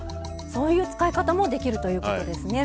そういう使い方もできるということですね。